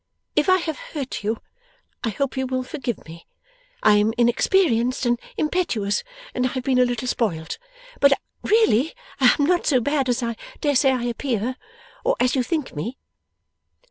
If I have hurt you, I hope you will forgive me. I am inexperienced and impetuous, and I have been a little spoilt; but I really am not so bad as I dare say I appear, or as you think me.